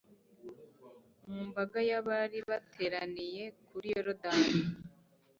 Mu mbaga y'abari bateraniye kuri Yorodani,